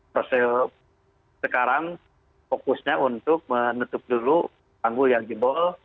proses sekarang fokusnya untuk menutup dulu tanggul yang jebol